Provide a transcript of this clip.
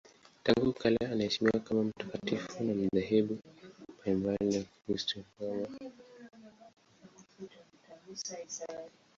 Tangu kale anaheshimiwa kama mtakatifu na madhehebu mbalimbali ya Ukristo.